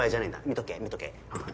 見とけ見とけ。